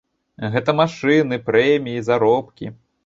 Гэта машыны, прэміі, заробкі.